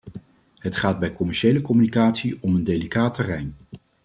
Het gaat bij commerciële communicatie om een delicaat terrein.